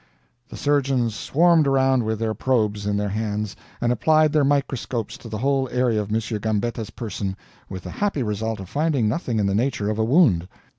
The surgeons swarmed around with their probes in their hands, and applied their microscopes to the whole area of M. Gambetta's person, with the happy result of finding nothing in the nature of a wound.